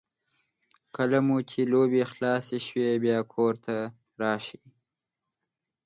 کله مو چې لوبې خلاصې شوې بیا کور ته راشئ.